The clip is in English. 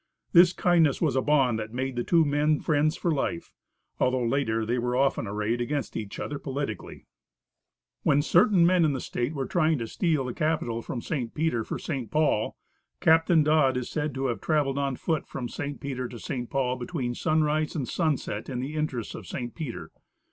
This kindness was a bond that made the two men friends for life, although later they were often arrayed against each other politically. When certain men in the state were trying to steal the Capital from St. Peter for St. Paul, Captain Dodd is said to have traveled on foot from St. Peter to St. Paul between sunrise and sunset in the interests of St. Peter.